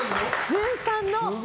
ずんさんの。